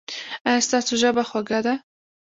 ایا ستاسو ژبه خوږه ده؟